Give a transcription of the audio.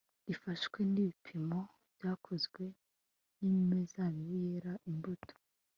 Ifashwe nibipimo byakozwe nimizabibu yera imbuto